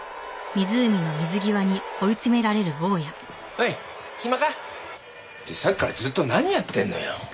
おい暇か？ってさっきからずっと何やってんのよ？